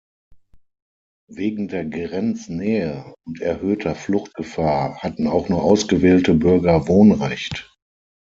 Wegen der Grenznähe und erhöhter Fluchtgefahr hatten auch nur ausgewählte Bürger Wohnrecht.